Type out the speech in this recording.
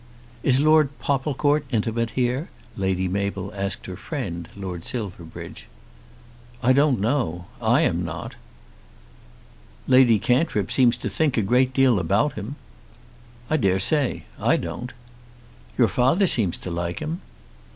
"Is Lord Popplecourt intimate here?" Lady Mabel asked her friend, Lord Silverbridge. "I don't know. I am not." "Lady Cantrip seems to think a great deal about him." "I dare say. I don't." "Your father seems to like him."